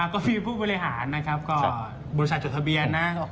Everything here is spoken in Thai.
ก็มีผู้บริหารนะครับก็บริษัทจดทะเบียนนะ